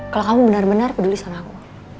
kalau kamu benar benar peduli sama aku